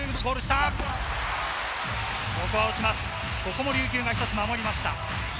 ここも琉球が一つ守りました。